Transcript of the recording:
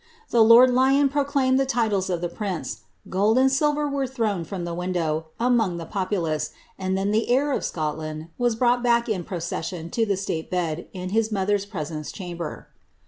The lord Lion proclaiiiieil the titles of llie prince; gold and silver were thrown from the \vinilo« , among the populace, anil then the heir of Scotland was brought back in procession to the siaie betl in his moitier'i presence chamber.